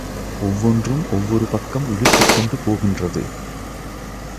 ஒவ்வொன்றும் ஒவ்வொரு பக்கம் இழுத்துக் கொண்டு போகின்றது.